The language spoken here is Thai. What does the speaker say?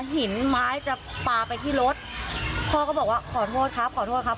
หินไม้จะปลาไปที่รถพ่อก็บอกว่าขอโทษครับขอโทษครับ